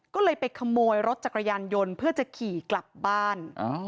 ก็เลยไปขโมยรถจักรยานยนต์เพื่อจะขี่กลับบ้าน